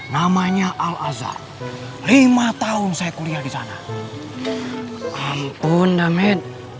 namanya al azhar lima tahun saya kuliah di sana